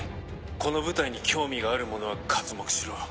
この舞台に興味がある者は刮目しろ。